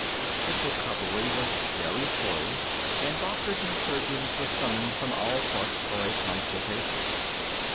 His recovery was very slow, and doctors and surgeons were summoned from all parts for a consultation.